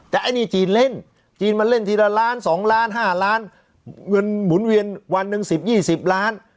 แต่ไอ้นี่จีนเล่นจีนมันเล่นทีละล้าน๒ล้าน๕ล้านเงินหมุนเวียนวันหนึ่ง๑๐๒๐ล้าน